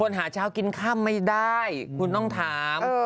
หาเช้ากินค่ำไม่ได้คุณต้องถาม